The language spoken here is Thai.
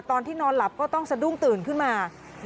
ตอนที่นอนหลับก็ต้องสะดุ้งตื่นขึ้นมา